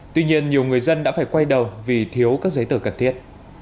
tuy nhiên nhiều người dân đã phải quay đầu vì thiếu các giấy tờ cần thiết